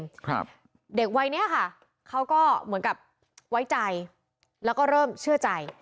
ครับเด็กวัยเนี้ยค่ะเขาก็เหมือนกับไว้ใจแล้วก็เริ่มเชื่อใจ